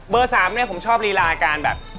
๓เนี่ยผมชอบรีลาการแบบ